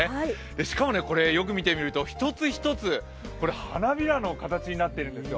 しかもこれ、よく見てみると一つ一つ、花びらの形になってるんですよ。